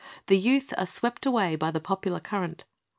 The youth are swept away by the popular current.